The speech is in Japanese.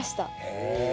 へえ。